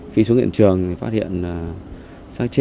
khi xuống hiện trường phát hiện một sát chết